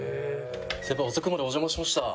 先輩遅くまでお邪魔しました。